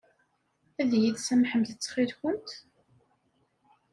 Ad iyi-tsamḥemt ttxil-kent?